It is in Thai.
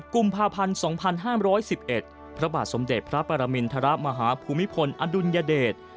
กุมภาพันธ์๒๕๑๑พระบาทสมเด็จพระปรมินทรมาฮภูมิพลอดุลยเดช